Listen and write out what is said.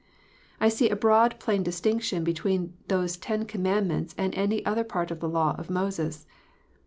I see a broad, plain distinction between these Ten Commandments and any other part of the Law of Moses.